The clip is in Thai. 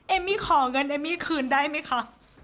เอมมี่ขอเงินเอมมี่คืนได้ไหมคะ